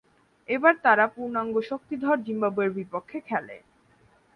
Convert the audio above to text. এবার তারা পূর্ণাঙ্গ শক্তিধর জিম্বাবুয়ের বিপক্ষে খেলে।